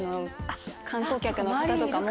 観光客の方とかも。